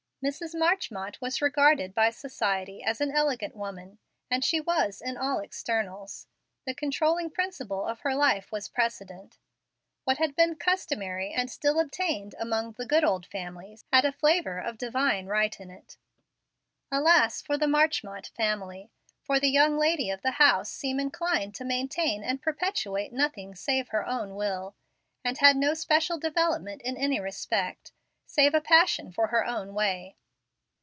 Mrs. Marchmont was regarded by society as an elegant woman, and she was, in all externals. The controlling principle of her life was precedent. What had been customary, and still obtained among the "good old families," had a flavor of divine right in it. Alas for the Marchmont family, for the young lady of the house seemed inclined to maintain and perpetuate nothing save her own will, and had no special development in any respect, save a passion for her own way.